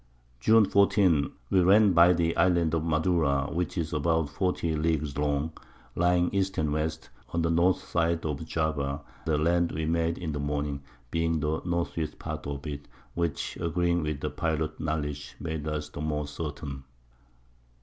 June 14. We ran by the Island Madura, which is about 40 Leagues long, lying East and West, on the N. Side of Java, the Land we made in the Morning, being the N. E. part of it, which agreeing with the Pilot's Knowledge made us the more certain.